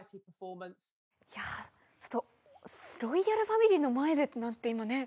いや、ちょっとロイヤルファミリーの前でなんて、今ね。